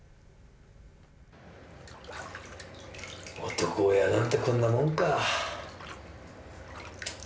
男親なんてこんなもんか。